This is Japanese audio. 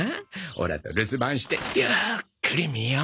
オラと留守番してゆっくり見よう。